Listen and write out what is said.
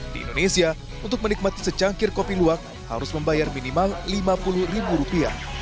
di indonesia untuk menikmati secangkir kopi luwak harus membayar minimal lima puluh ribu rupiah